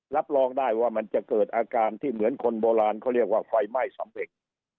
รับรองได้ว่ามันจะเกิดอาการที่เหมือนคนโบราณเขาเรียกว่าไฟไหม้สำเร็จ